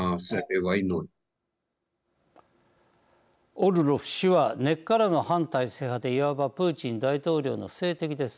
オルロフ氏は根っからの反体制派でいわばプーチン大統領の政敵です。